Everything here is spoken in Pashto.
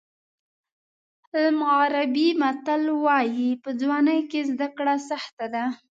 المغربي متل وایي په ځوانۍ کې زده کړه سخته ده.